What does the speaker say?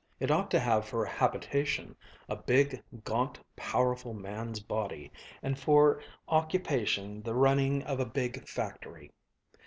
It ought to have for habitation a big, gaunt, powerful man's body, and for occupation the running of a big factory."